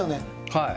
はい。